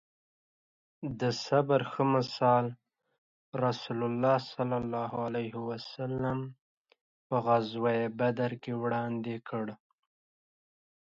د صبر ښه مثال رسول الله ص په غزوه بدر کې وړاندې کړی